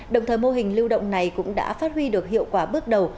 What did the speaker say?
đồng thời mô hình lưu động này cũng đã phát huy được hiệu quả bước đầu